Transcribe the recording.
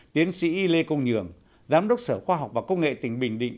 tiến sĩ lê công nhường giám đốc sở khoa học và công nghệ tỉnh bình định